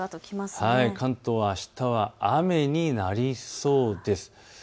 関東はあした雨になりそうです。